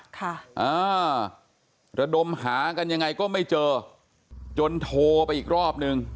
ค่ะอ่าระดมหากันยังไงก็ไม่เจอจนโทรไปอีกรอบนึง